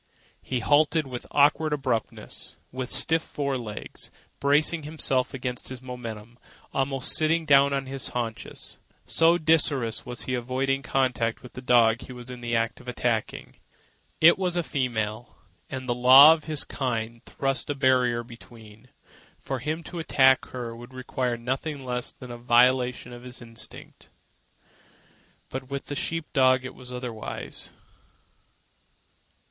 He halted with awkward abruptness, with stiff fore legs bracing himself against his momentum, almost sitting down on his haunches, so desirous was he of avoiding contact with the dog he was in the act of attacking. It was a female, and the law of his kind thrust a barrier between. For him to attack her would require nothing less than a violation of his instinct. But with the sheep dog it was otherwise.